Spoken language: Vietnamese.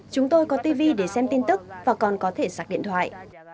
chúng tôi có tv để xem tin tức và còn có thể sạc điện thoại